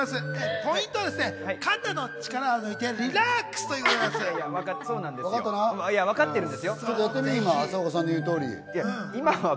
ポイントは、肩の力を抜いてリラックス！ということです。